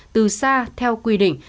từ xa theo quy định